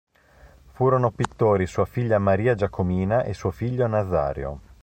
Furono pittori sua figlia Maria Giacomina e suo figlio Nazario.